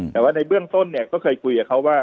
แต่ว่าในเบื้องต้นเนี่ยก็เคยคุยกับเขาว่า